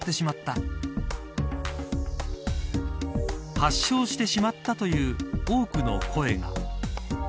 発症してしまったという多くの声が。